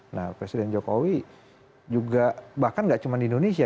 nah presiden jokowi juga bahkan gak cuma di indonesia